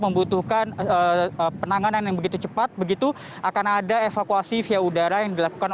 membutuhkan penanganan yang begitu cepat begitu akan ada evakuasi via udara yang dilakukan